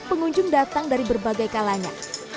pengunjung datang dari berbagai kalanya